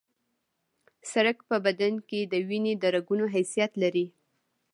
سړک په بدن کې د وینې د رګونو حیثیت لري